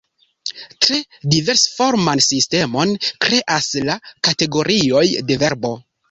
Tre diversforman sistemon kreas la kategorioj de verbo.